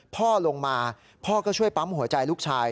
พ่อลงมาพ่อก็ช่วยปั๊มหัวใจลูกชาย